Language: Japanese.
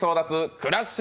「クラッシュ！！